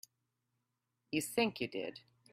You think you did.